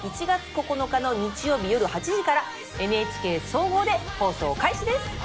１月９日の日曜日夜８時からＮＨＫ総合で放送開始です！